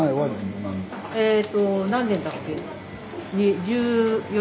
えと何年だっけ？